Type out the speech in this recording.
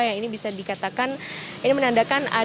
yang ini bisa dikatakan ini menandakan